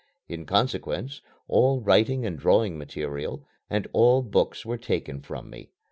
In consequence, all writing and drawing materials and all books were taken from me.